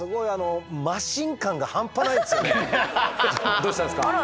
どうしたんですか？